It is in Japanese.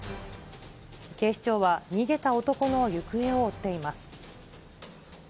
警視庁は逃げた男の行方を追っています。